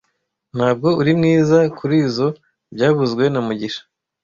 Ntabwo uri mwiza kurizoi byavuzwe na mugisha